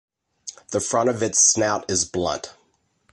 The front of its snout is blunt.